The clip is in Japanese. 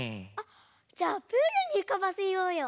じゃあプールにうかばせようよ！